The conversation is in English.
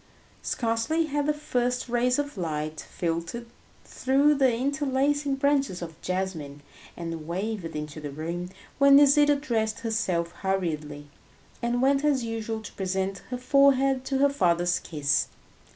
Scarcely had the first rays of light filtered through the interlacing branches of jasmine and wavered into the room, when Nisida dressed herself hurriedly, and went as usual to present her forehead to her father's kiss.